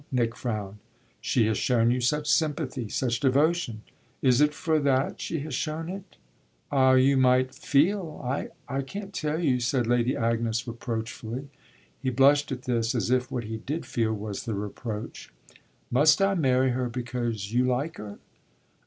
Nick frowned. "She has shown you such sympathy, such devotion." "Is it for that she has shown it?" "Ah you might feel I can't tell you!" said Lady Agnes reproachfully. He blushed at this, as if what he did feel was the reproach. "Must I marry her because you like her?"